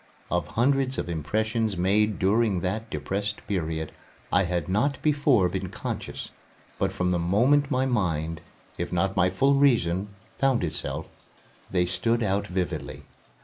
Of hundreds of impressions made during that depressed period I had not before been conscious, but from the moment my mind, if not my full reason, found itself, they stood out vividly.